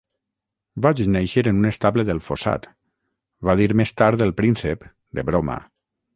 "Vaig néixer en un estable del fossat", va dir més tard el príncep, de broma.